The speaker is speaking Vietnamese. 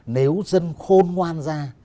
nếu dân khôn ngoan ra